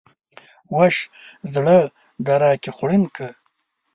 وش ﺯړه د راکي خوړين که